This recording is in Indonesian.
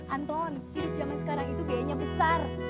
anton kip zaman sekarang itu biayanya besar